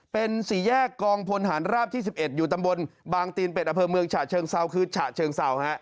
เป็นสี่แยกกองพลฐานราบที่๑๑อยู่ตำบลบางตีนเป็ดอำเภอเมืองฉะเชิงเซาคือฉะเชิงเศร้า